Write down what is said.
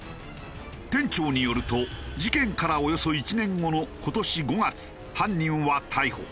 店長によると事件からおよそ１年後の今年５月犯人は逮捕。